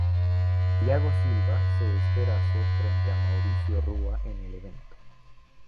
Thiago Silva se espera hacer frente a Mauricio Rua en el evento.